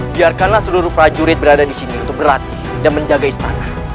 biarkanlah seluruh prajurit berada di sini untuk berlatih dan menjaga istana